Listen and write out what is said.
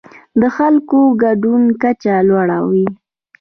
د خلکو د ګډون کچه لوړه وي.